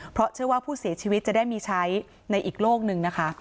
เพราะเชื่อว่าผู้เสียชีวิตจะได้มีใช้ในอีกโลกหนึ่งนะคะ